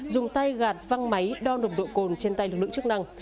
dùng tay gạt văng máy đo nồng độ cồn trên tay lực lượng chức năng